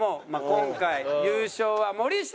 今回優勝は森下！